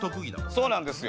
そうなんですよ。